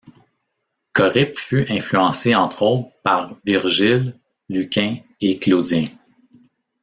Corippe fut influencé entre autres par Virgile, Lucain et Claudien.